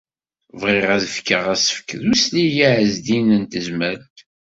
Bɣiɣ ad as-fkeɣ asefk d uslig i Ɛezdin n Tezmalt.